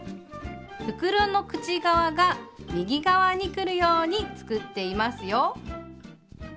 袋の口側が右側にくるように作っていますよ。